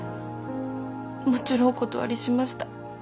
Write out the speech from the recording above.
もちろんお断りしました